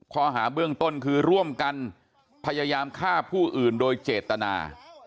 ข้อหาเบื้องต้นคือร่วมกันพยายามฆ่าผู้อื่นโดยเจตนา